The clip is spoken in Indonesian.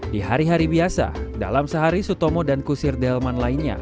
di hari hari biasa dalam sehari sutomo dan kusir delman lainnya